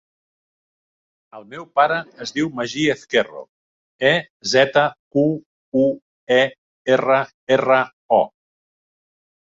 El meu pare es diu Magí Ezquerro: e, zeta, cu, u, e, erra, erra, o.